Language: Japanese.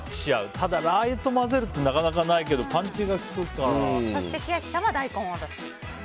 ただ、ラー油に混ぜるってなかなかないけど千秋さんは大根おろし。